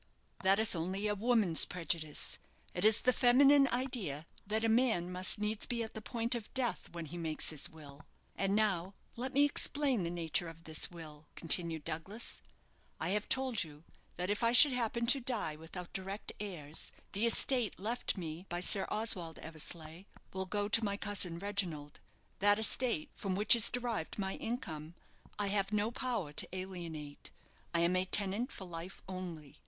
"That is only a woman's prejudice. It is the feminine idea that a man must needs be at the point of death when he makes his will. And now let me explain the nature of this will," continued Douglas. "I have told you that if I should happen to die without direct heirs, the estate left me by Sir Oswald Eversleigh will go to my cousin Reginald. That estate, from which is derived my income, I have no power to alienate; I am a tenant for life only.